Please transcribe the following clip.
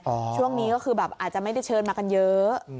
ช่วงนี้ก็คือแบบอาจจะไม่ได้เชิญมากันเยอะ